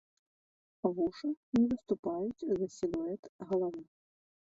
Вушы не выступаюць за сілуэт галавы.